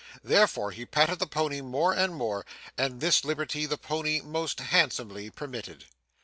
Therefore he patted the pony more and more; and this liberty the pony most handsomely permitted.